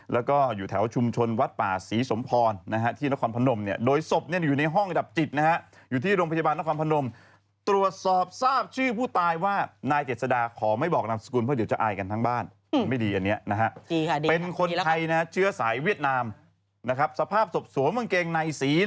แล้วก็เอาเจ้าหน้าที่โยธามาตรวจสอบเผื่อแรงฐานยังงาน